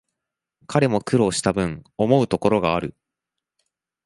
彼も苦労したぶん、思うところがある